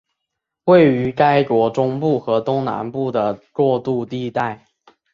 位于该国中部和东南部的过渡地带。